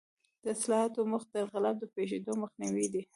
د اصلاحاتو موخه د انقلاب د پېښېدو مخنیوی دی.